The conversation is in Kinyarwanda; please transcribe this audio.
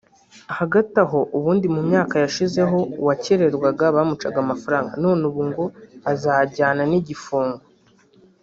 Hagati aho ubundi mu myaka yashize ho uwakererwaga bamucaga amafaranga none ubu ngo azajyana n’igifungo